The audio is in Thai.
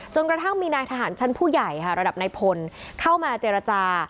กระทั่งมีนายทหารชั้นผู้ใหญ่ค่ะระดับนายพลเข้ามาเจรจา